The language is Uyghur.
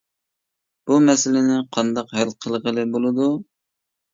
بۇ مەسىلىنى قانداق ھەل قىلغىلى بولىدۇ.